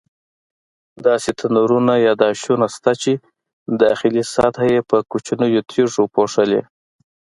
داسې تنورونه یا داشونه شته چې داخلي سطحه یې په کوچنیو تیږو پوښلې.